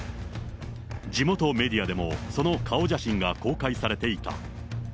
地元メディアでも、その顔写真が公開されていた。